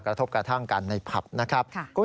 กระทบกระทั่งกันในผับนะครับ